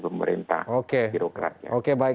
pemerintah birokratnya oke baik